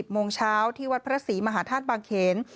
โมงเช้าที่วัดพระศรีมหาธาตุบางเขน